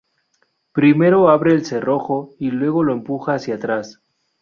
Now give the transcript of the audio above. Primero abre el cerrojo y luego lo empuja hacia atrás.